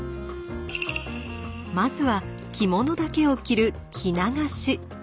まずは着物だけを着る「着流し」。